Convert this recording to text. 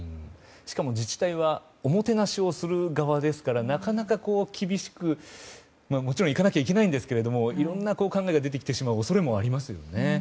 しかも、自治体はおもてなしをする側ですからなかなか厳しくいかなきゃいけないんですけどいろんな考えが出てくる恐れもあります。